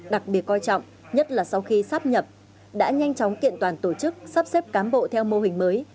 đặc biệt coi trọng nhất là sau khi sắp nhập đã nhanh chóng kiện toàn tổ chức sắp xếp cán bộ theo mô hình mới